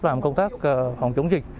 làm công tác phòng chống dịch